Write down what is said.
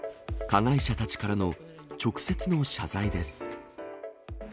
加害者たちからの直接の謝罪です。